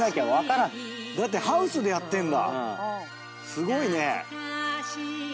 すごいね。